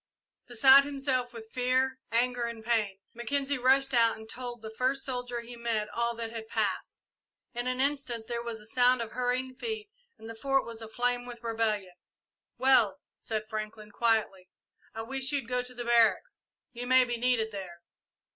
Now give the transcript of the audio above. Beside himself with fear, anger, and pain, Mackenzie rushed out and told the first soldier he met all that had passed. In an instant there was the sound of hurrying feet and the Fort was aflame with rebellion. "Wells," said Franklin, quietly, "I wish you'd go to the barracks. You may be needed there."